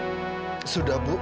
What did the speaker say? harap sekalian kamu cari kekuatan